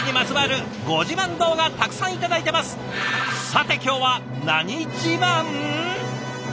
さて今日は何自慢？